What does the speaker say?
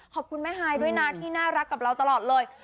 ขอบคุณแม่ฮายด้วยนะที่น่ารักกับเราตลอดเลย